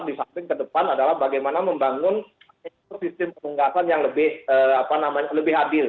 di samping ke depan adalah bagaimana membangun sistem penunggasan yang lebih adil